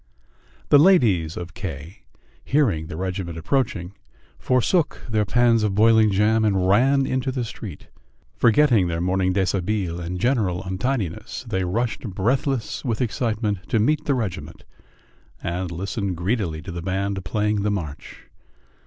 The ladies of K , hearing the regiment approaching, forsook their pans of boiling jam and ran into the street. Forgetting their morning deshabille and general untidiness, they rushed breathless with excitement to meet the regiment, and listened greedily to the band playing the march.